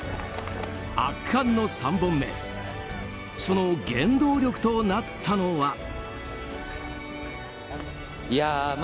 圧巻の３本目その原動力となったのは。